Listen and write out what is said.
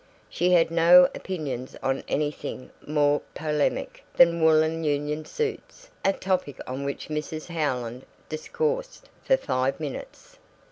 She had no opinions on anything more polemic than woolen union suits, a topic on which Mrs. Howland discoursed for five minutes.